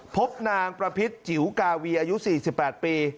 พบนางประพิษจิ๋วกาวีอายุ๔๘ปี